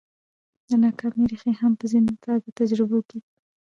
د ناکامۍ ريښې هم په ځينو ساده تجربو کې دي.